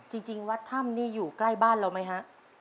จริงวัดถ้ำนี่อยู่ใกล้บ้านเราไหมฮะ